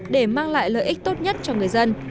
để mang lại lợi ích tốt nhất cho người dân